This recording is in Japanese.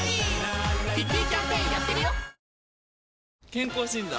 健康診断？